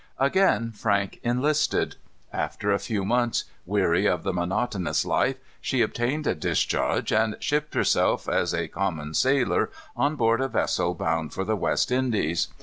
Again Frank enlisted. After a few months, weary of the monotonous life, she obtained a discharge, and shipped herself, as a common sailor, on board a vessel bound for the West Indies.